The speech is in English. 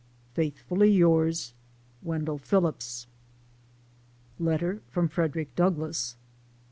Faithfully yours,' WEXPELL PHILLIPS. Letter from Frederick Douglass.